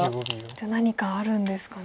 じゃあ何かあるんですかね。